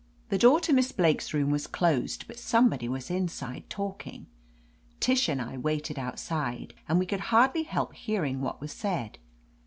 The door to Miss Blake's room was closed, but somebody was inside, talking. Tish and I waited outside, and we could hardly help hear ing what was said.